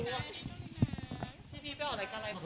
หวานมากเลยค่ะ